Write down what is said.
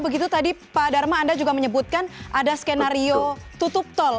begitu tadi pak dharma anda juga menyebutkan ada skenario tutup tol